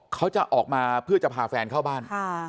เขาจะออกมาเพื่อจะพาแฟนเข้าบ้าน